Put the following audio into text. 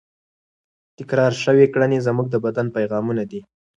تکرار شوې کړنې زموږ د بدن پیغامونه دي.